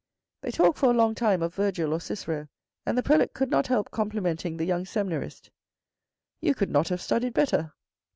They talked for a long time of Virgil, or Cicero, and the prelate could not help compliment ing the young seminarist. You could not have studied better."